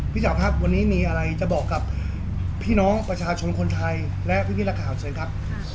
เจ้าครับวันนี้มีอะไรจะบอกกับพี่น้องประชาชนคนไทยและพี่นักข่าวเชิญครับ